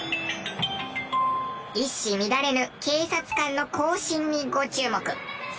一糸乱れぬ警察官の行進にご注目。